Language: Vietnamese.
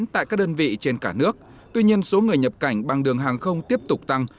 tại các đơn vị trên cả nước tuy nhiên số người nhập cảnh bằng đường hàng không tiếp tục tăng